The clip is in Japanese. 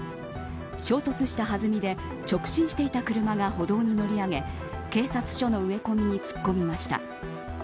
衝突した弾みで直進していた車が歩道に乗り上げ警察車の植え込みに突っ込みました。